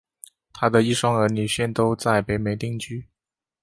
她的一双儿女现都在北美定居。